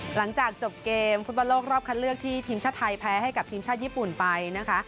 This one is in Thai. หลังจากจบเกมฟุตบอลโลกรอบคัดเลือกที่ทีมชาติไทยแพ้ให้กับทีมชาติญี่ปุ่นไปนะคะ